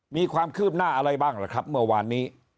มีความคืบหน้าอะไรบ้างล่ะครับเมื่อวานนี้